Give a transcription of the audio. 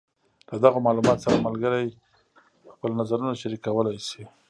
له دغو معلوماتو سره ملګري خپل نظرونه شریکولی شي.